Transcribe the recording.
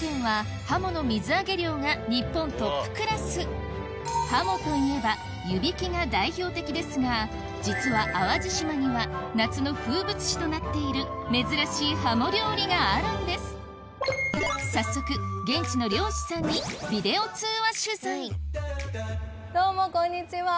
実はハモといえば湯引きが代表的ですが実は淡路島には夏の風物詩となっている珍しいハモ料理があるんです早速現地の漁師さんにビデオ通話取材どうもこんにちは！